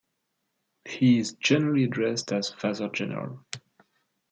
He is generally addressed as Father General.